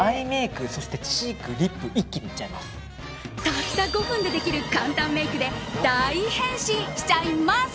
たった５分でできる簡単メイクで大変身しちゃいます。